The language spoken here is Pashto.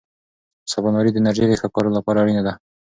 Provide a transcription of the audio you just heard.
سباناري د انرژۍ د ښه کار لپاره اړینه ده.